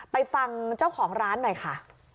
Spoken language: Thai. ไปฟังเจ้าของร้านหน่อยค่ะ